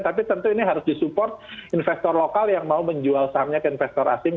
tapi tentu ini harus disupport investor lokal yang mau menjual sahamnya ke investor asing